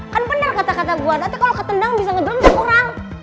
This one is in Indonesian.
kan benar kata kata gua nanti kalau ketendang bisa ngedrom ke orang